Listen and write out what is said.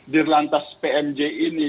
di lantas pmj ini